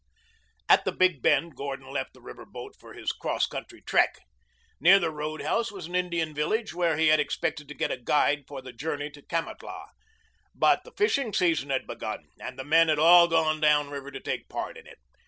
At the big bend Gordon left the river boat for his cross country trek. Near the roadhouse was an Indian village where he had expected to get a guide for the journey to Kamatlah. But the fishing season had begun, and the men had all gone down river to take part in it.